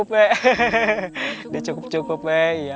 enggak di cukup cukup ya